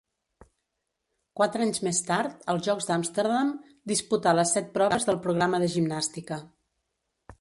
Quatre anys més tard, als Jocs d'Amsterdam, disputà les set proves del programa de gimnàstica.